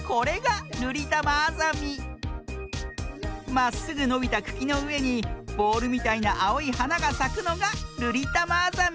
まっすぐのびたくきのうえにボールみたいなあおいはながさくのがルリタマアザミ。